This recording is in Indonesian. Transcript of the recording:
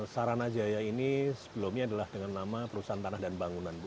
saranaja ini sebelumnya adalah dengan nama perusahaan tanah dan bangunan ibu